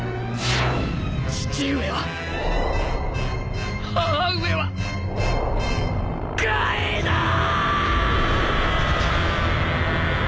父上は母上はカイドウ！！